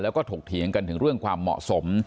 แล้วก็ถกเถียงกันถึงเรื่องความเหมาะสม